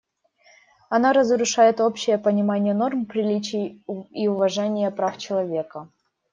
Она разрушает общее понимание норм приличий и уважение прав человека.